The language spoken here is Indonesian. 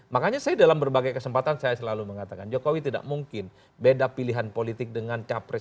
makanya saya dalam berbagai kesempatan saya selalu mengatakan jokowi tidak mungkin beda pilihan politik dengan capres